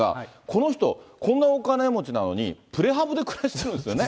この人、こんなお金持ちなのに、プレハブで暮らしてるんですよね。